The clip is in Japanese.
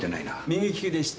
右利きでした。